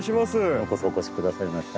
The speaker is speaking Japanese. ようこそお越しくださいました。